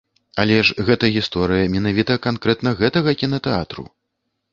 Але ж гэта гісторыя менавіта канкрэтна гэтага кінатэатру!